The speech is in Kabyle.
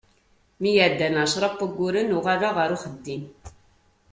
Mi ɛeddan ɛecra n wayyuren, uɣaleɣ ɣer uxeddim.